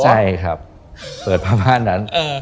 ใช่ครับเปิดบ้านนั้น